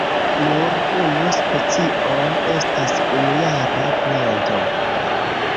Nur unu specio estas unujara planto.